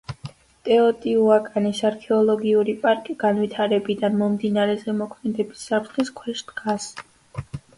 ტეოტიუაკანის არქეოლოგიური პარკი განვითარებიდან მომდინარე ზემოქმედების საფრთხის ქვეშ დგას.